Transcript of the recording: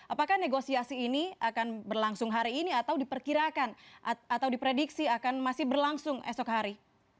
apakah negosiasi ini akan berlangsung hari ini atau diperkirakan atau diprediksi akan masih berlangsung esok hari